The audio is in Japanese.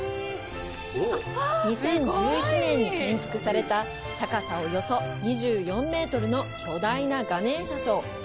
２０１１年に建築された、高さおよそ２４メートルの巨大なガネーシャ像。